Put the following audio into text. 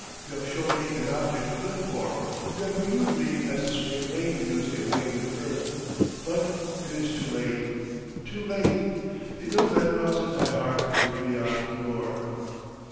You have shown me an object to live for! You have renewed me as the Spring rain renews the awakened earth! But ... it is too late, too late! The ill that gnaws at my heart is beyond cure.